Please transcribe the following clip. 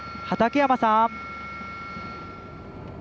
畠山さん。